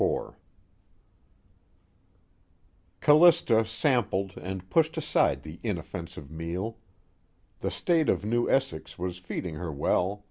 IV Callista sampled and pushed aside the inoffensive meal. The state of New Essex was feeding her well.